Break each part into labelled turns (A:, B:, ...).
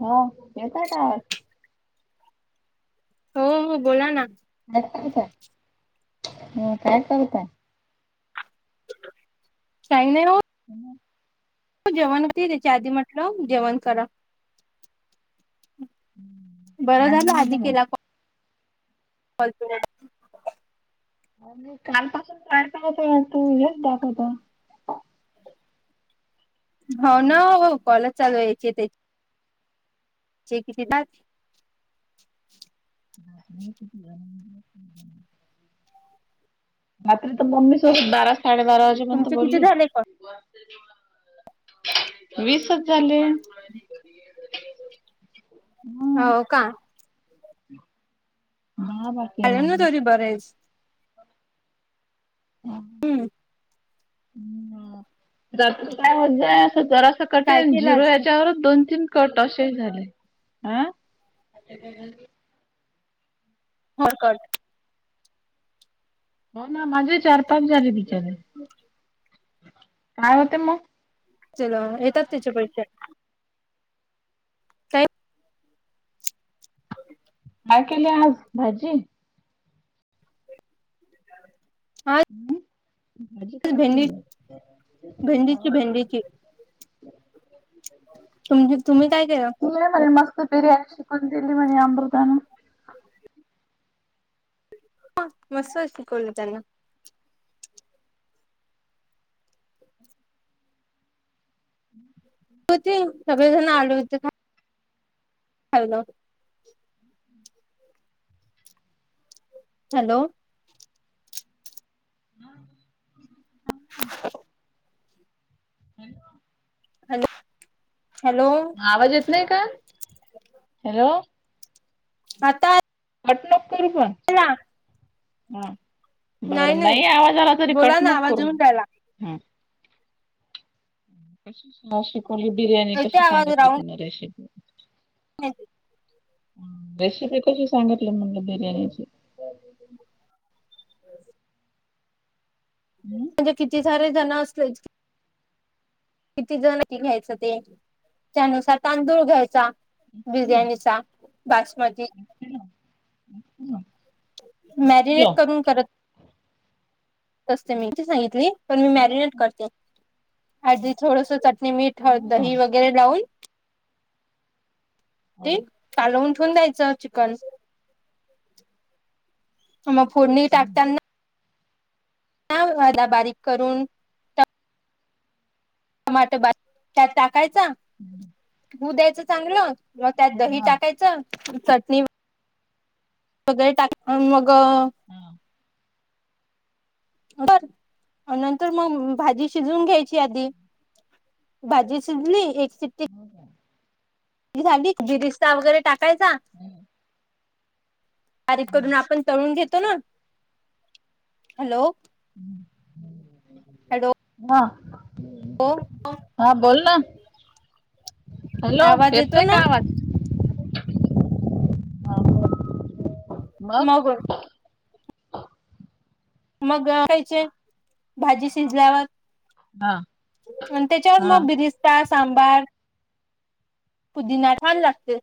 A: हो येतोय का आवाज.
B: हो हो बोला ना.
A: काय करताय अ काय करताय.
B: काही नाही ओ.
A: ह ह
B: त जेवण होती त्याच्या आधी म्हटलं जेवण करा. बरं
A: काय
B: झालं आधी
A: बनवलं मग?
B: केला कॉ कॉल परत.
A: मी कालपसून ट्राय करतोय तू यच दाखवत.
B: हो ना ओ कॉलेच चालू आहे याचे त्या. चे किती तास.
A: [unintelligible] रात्री तर मम्मी सोबत बारा साडे बारा वाजे पर्यंत
B: तुमचे किती
A: बोलले.
B: झाले कॉल
A: वीसच झाले. ह.
B: हो का?
A: हा बर.
B: आले ना तरी बरेच. हम्म.
A: ऊ आ रात्री काय होतय अस जरास
B: काय
A: कठीण
B: केलं
A: झीरो
B: आज
A: याच्यावरच दोन तीन कट अशे झाले अ.
B: होय कट.
A: हो ना माझेही चार पाच झाले बिचारे काय होते मग.
B: चलो येतात त्याचे पैसे. काय. [unintelligible]
A: काय केली आज भाजी.
B: [unintelligible]
A: भाजी काय
B: भेंडी
A: केली
B: भेंडीची
A: हो का.
B: तुमची तुम्ही काय केलं.
A: तुला म्हणे मस्त बिर्याणी शिकून दिली म्हणे अमृताान.
B: ह मस्त शिकवल त्यांन.
A: [unintelligible]
B: [unintelligible] हॅलो.
A: हम् हॅल
B: हॅल हॅलो
A: आवाज येत नाही का हॅलो
B: आता
A: [unintelligible]
B: आला
A: बर नाही आवाज आला तरी कट
B: बोला
A: नको
B: ना आवाज
A: करू
B: येऊन राहिला
A: ह. कशी म शिकवली बिर्याणी
B: येते
A: कशी
B: आवाज
A: सांगितली
B: राऊंड
A: तीन रेसिपी.
B: [unintelligible]
A: रेसिपी कशी सांगितली म्हणलं बिर्याणीची. हम्म.
B: म्हणजे किती सारे जण असले किती जण घ्यायचं ते, त्यानुसार तांदूळ घ्यायचा बिर्याणीचा बासमती
A: ह [unintelligible]
B: मॅरिनेट करून करत असते मी, किती सांगितली? पण मी मॅरिनेट करते, आधी थोडस चटणी मीठ
A: का?
B: दही वगैर रे लावून, ते कालउन ठेवून द्यायचं चिकन मग फोडणी टाकताना [unintelligible] झाला बारीक करून टमाट बारीक त्यात टाकायचा
A: हम्म.
B: हू द्यायचं चांगलं, मग त्यात दही
A: हा
B: टाकायचं चटणी वगैरे टाक मग
A: हन.
B: [unintelligible] नंतर मग भाजी शिजवून घ्यायची आधी. भाजी शिजली, एक सिट्टी
A: [inaudible]
B: झाली बिरिस्ता वगैरे टाकायचा, बारीक करून आपण तळून घेतो ना, हॅलो? हॅलो
A: [unintelligible] हा. [unintelligible] हा बोल ना हॅलो?
B: आवाज
A: येत
B: येतो
A: नाही
B: ना
A: का आवाज? हो [unintelligible]
B: मग [unintelligible] मग [unintelligible] ख्यायचे, भाजी शिजल्यावर
A: हा
B: म त्याच्यावरच
A: हा.
B: मग बिरिस्ता सांबार पुदिना छान लागतय.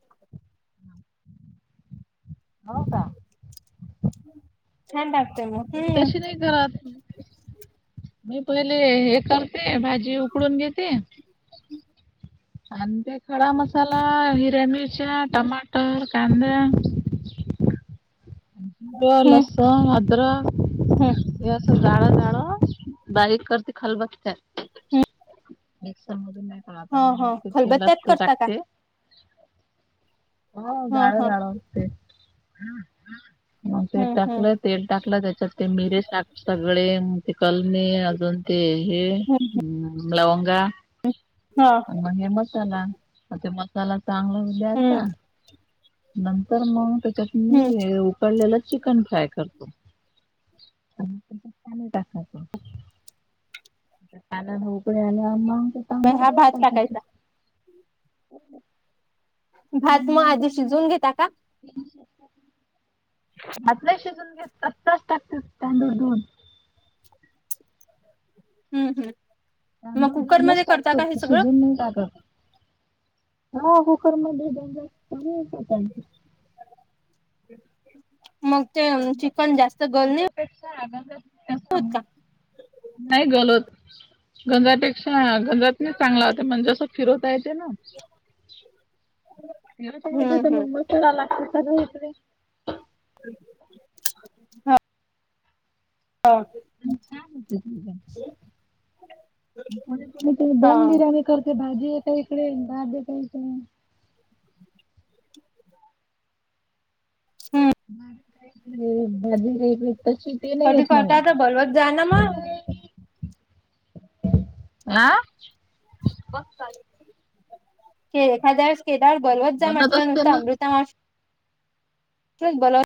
A: हो का?
B: छान लागते मग
A: मी
B: हम्म
A: तशी नाही करत मी पहिले हे करते, भाजी उकडून घेते अं ते खडा मसाला, हिरव्या मिरच्या, टमाटर, कांदा [unintelligible]
B: हम्म
A: लसण, अद्रक
B: हम्म
A: या अस जाळ जाळ बारीक करते खलबत्त्यात. म मध नाही कत
B: हा
A: आणि मग
B: हा
A: ते तेलात
B: खलबत्त्यात
A: ते
B: करता का
A: टाकते. हो
B: हा हा
A: जाळ-जाळ असते. मग ते
B: हम्म हम्म
A: टाकलं, तेल टाकलं त्याच्यात ते मिरे साक सगळेग ते कलणे अजून ते हे
B: हम्म
A: ह् लवंगा
B: हा.
A: मग हे मसाला, अशे मसाला सांगळून
B: हम्म
A: घ्यायचा. नंतर मग त्याच्यात
B: हम्म.
A: पडलेलं चिकन फ्राय करतो आणि त्याच्यात पाणी टाकायचं. त्या पाण्याला उकळी आल्यावर मग
B: म
A: तांबड
B: हा
A: धुवून
B: भात
A: टाकायचे
B: टाकायचा.
A: आणि
B: भात म
A: नंतर
B: आधी
A: मग
B: शिजवून घेता का?
A: भात नई शिजून घेत, कच्चाच टाकते तांदूळ धून
B: हम्म हम्म. मग
A: तांदूळ धूनच
B: कुकरमध्ये करता का
A: टाकतो,
B: हे सगळं
A: शिजून नाही टाकत. हा कुकरमध्ये [unintelligible]
B: मग ते चिकन जास्त गल नाही होत का?
A: नाही गलत. गंजापेक्षा गंजात नीच चांगला होता म्हणजे आसं फिरवता येतेना.
B: ह [unintelligible]
A: मका हो मस्त जा लागते सगळी इकडे
B: हा. हो [unintelligible]
A: छान होते दम बिर्याणी करते भाजी इकडे भात बी करते.
B: हम्म.
A: भाजी वेगळी तशी ती नाही येत मला.
B: आता बोलवत जान मग.
A: हां..
B: के एखाद्या वेळेस केल्यावर बोलवत जा
A: बनत
B: म्हटलं
A: असते
B: नुसतं
A: ना
B: अमृता मावशी लाच बोलवत.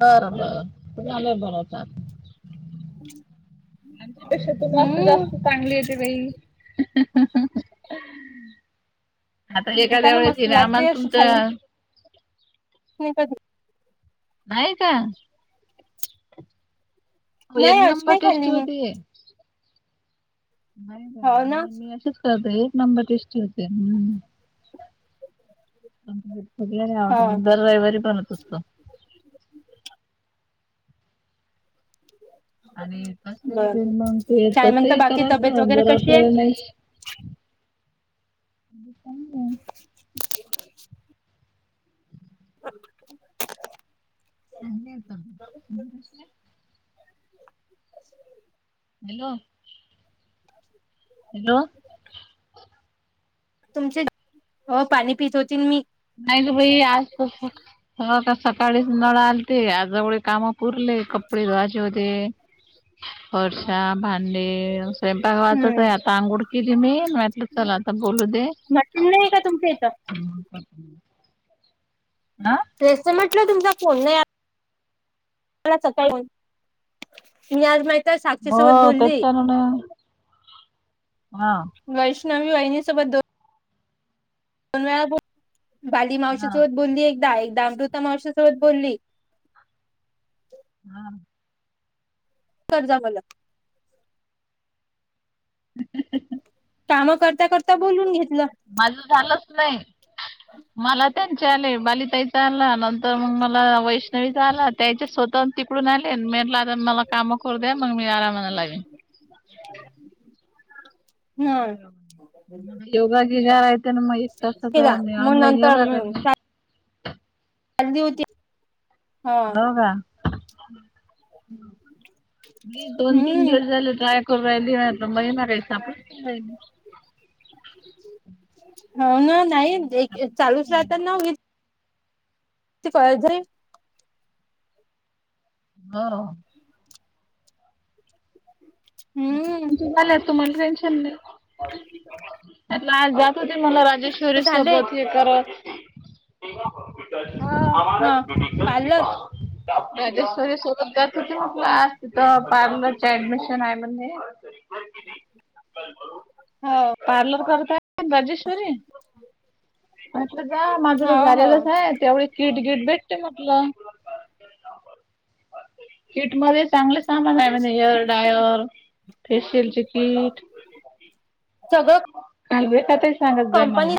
A: बर बर तुम्हला बोलवता. आच्यापेक्षा तुम्हालाच तर
B: हम्म
A: जास्त चांगली येते बाई. आता एखाद्या
B: त्यांना
A: वेळेस
B: मस्त
A: येणार
B: लागते
A: तुमचं.
B: काय कधी?
A: आहे का एक
B: नाही अशी
A: नंबर
B: नाही खाल्ली
A: टेस्टी
B: मी
A: होते. का
B: हो ना.
A: आम्ही मी अशीच करते एक नंबर टेस्ट होते. हम्म. सगळ्याला
B: हो
A: आवडते मी दर रविवारी बनवत असतो. आणि
B: बर
A: मग
B: काय म्हणता
A: तसही
B: बाकी तब्येत
A: करायचं
B: वगैरे
A: जर
B: कशी आहे
A: आपल्याला नाही. आजून काही नाही. ह [unintelligible]
B: ह [unintelligible]
A: हस [unintelligible]
B: अ [unintelligible]
A: हॅलो. हॅलो.
B: तुमचे हो पाणी पित होतील मी.
A: नाही बाई आज कस सकाळीच नळ आलते आज एवढी काम पूरले कपडे धुवाचे होते फरश्या भां भांडे स्वयंपाक व्हायचंच
B: हम्म
A: आहे आता अंघोळ केली मी म्हणटलं चल आता बोलू दे
B: नाही का तुमच्या इथं?
A: ह का [unintelligible]
B: तेच म्हटलं तुमचा फोन नाही मला सकाळी मी आज माहि
A: हो तेच तर म्हणून हा.
B: वैष्णवी वहिणी सोबत दो दोन वेळा बो बाली मावशीसोबत बोलली एकदा, एकदा अमृता मावशीसोबत बोलली.
A: हा.
B: कर जा मला.
A: ह [unintelligible]
B: काम करता, करता बोलून घेतलं.
A: माझ झालंच नाही मला त्यांचे आले बालिताईचा आला तर मग मला वैष्णवीचा आला त्याच्या स्वतः तिकडून आले मी म्हंटल मला कामं करू द्या मग मी आराम लावीन.
B: हम्म्
A: योगा विचारायचं ना मग एक तासाच
B: केला मग
A: ऑनलाईन
B: नंतर
A: योगा करते
B: गर्दी होती. ह
A: बघा. मी दोन तीन
B: हम्म
A: दिवस झाले ट्रा करून राहीली [unintelligible]
B: हो ना नाही एक एक चालूच राहता ना. ति [unintelligible] जरी
A: घरो
B: हम्म
A: त तुमला टेन्शन नाही. आज जात होते. मला
B: ते
A: किशोरी
B: झाले
A: सोबत हे करा. हा आ आमारा
B: हा
A: क्रिटिकल कि
B: पार्लर
A: बा राजेश्वरी सोबत जात होते कुठे पार्लरचा ऍडमिशन आहे म्हणे
B: हो
A: पार्लर करताय? कोण राजेश्वरी म्हटलं जा. माझं तर
B: हो हो
A: झालेलंच आहे त्यावेळी. किट गिट भेटतं म्हटलं. किट मध्ये चांगलं- सामान आहे म्हण हेअर डायर फेशियलचे कीट.
B: सगळं
A: काल रेखाताई सांगत जाय मला.
B: कंपनी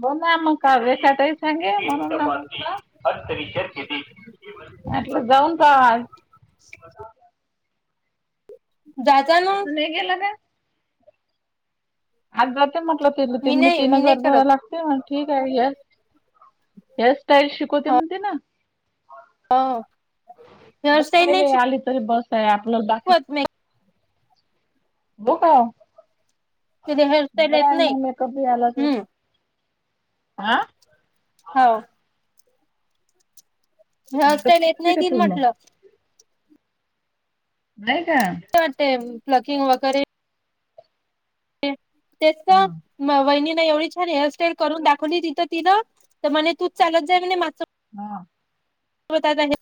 A: बघा मग काव्यासाठी. ते सांगेल म्हणून [unintelligible] जाऊन पहा
B: जा. जा‌. ना
A: ते गेल काय आज जाते म्हटलं कि
B: मी
A: ते
B: नाही
A: तीन
B: मी नाही
A: हजार भराय
B: करत
A: लागतय ते ठीक आहे. ह हअर स्टाईल शिकवते म्हणते ना.
B: अ..
A: जास्त वेळ तर आली तरी बस. आपल बाकी.
B: शिकवत
A: बोका
B: हेअरस्टाईल
A: बर
B: येत
A: आहे.
B: नाही
A: मग मेकअपी आला तर.
B: हम्म
A: आ..
B: हो.
A: मेकअप
B: हेअस्टाईल येत
A: शिकवते
B: नाही
A: का
B: तील
A: पूर्ण
B: म्हटलं.
A: नाही का?
B: वाटते प्लकिंग वगैरे तेच तर
A: हा
B: वहिनी ना एवढी छान हेअरस्टाईल. करून दाखवली तिथं तिनं तर म्हणे तूच चालत जाई म्हणे मा-
A: हा
B: ओ दादा घ्या.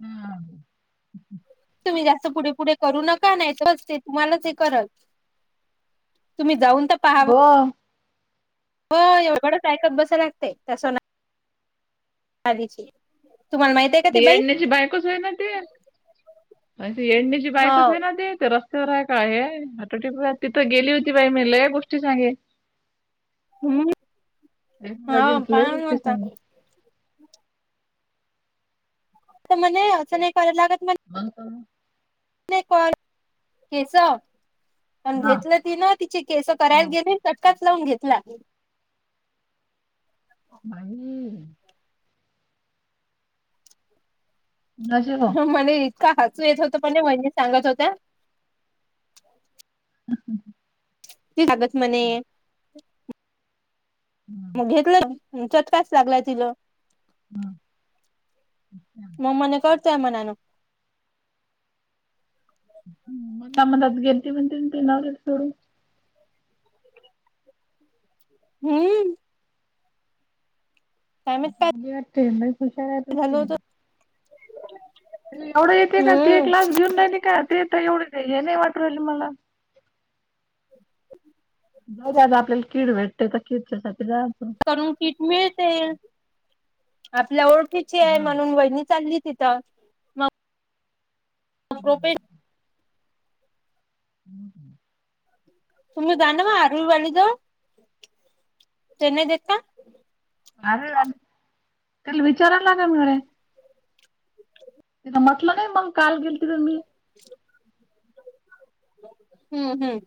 A: हम् हम‌् हम‌्
B: तुम्ही जास्त पुढे पुढे करू नका. नाही तर ते तुम्हालाच हे करल. तुम्ही जाऊन तर पहावं
A: बोल
B: हो. एवढच ऐकत बस लागते. तसं- आधीची तुम्हाला नाईत
A: ते येडण्याची बायकोचं हाय ना ते म्हट येडण्याची
B: हो
A: बायकच आहे ना ते ते रस्ते य काय आहे आटोटी तिथं गेली होती बाई मी लय गोष्टी सांगे
B: हम्म
A: मला
B: हो
A: गेल तुला
B: पान
A: गोष्टी
B: होता
A: सांग
B: तर म्हणे. अस नाही कराय लागत मग-
A: बघ करु.
B: नाही क केस पण
A: हा
B: घेतलं ती ना तिची केस करायला
A: हा
B: गेली. चटकाच लावून घेतला.
A: बाईईई कुणाशी गं?
B: मला इतका हसू येत होत पण वैणी सांगत होत्या.
A: हम् हम्.
B: त सगत म्हणे.
A: हम्.
B: मग घेतलं चटकास लागलाय तिला म मने करतोय मनान
A: मंदा मंदात गेलती ना म्हणते ते नवऱ्याला सोडून
B: हम्म. काय माहित काय?
A: ते लय हुशारच
B: झालं
A: दिसते.
B: होत
A: एवढं येते का ते
B: हम्म
A: क्लास घेऊन राहि का ते तर एवढे हे नाही वाटरले मला जउदया आपल्याला कीड भेटते तर कीडच्यासाठी जाचो.
B: कडून किट मिळत्ये आपल्या ओळखीची आहे
A: हां.
B: म्हणून वहिनी चालली. तर प्रोपे
A: [unintelligible] [inaudible]
B: तुमही जाणव आरवी वाली जवळ ते नाही देत काय?
A: आर्वी वाली तिले विचारावं लागेल गड्या तिथं म्हटलं नाही मग काल गेल तिथ मी
B: हम्म हम्म.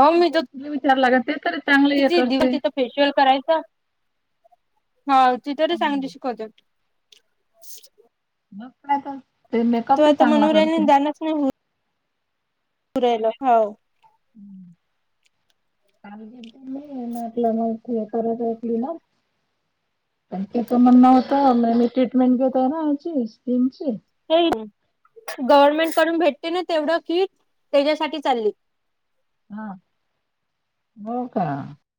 B: हो मी त [inaudible]
A: विचारावा लागेल ते तरी चांगलं
B: कि
A: हे
B: ज दि
A: करते.
B: तिथं फेशियल करायच हो ति तरी
A: हं.
B: चांगली शिकवते.
A: बघ काय तर ते मेकअप बी चांगला करते.
B: ह ह. पुरायला हा.
A: हं [unintelligible] मी नाटलं मग हे करत ऐली ना. का तो म्हण नव्हतं म मी ट्रीटमेंट घेतोय ना याची स्कीम ची
B: हे गव्हर्नमेंट करडून भेटते ना तेवढं कीट त्याच्यासाठी चालली.
A: हा हो का?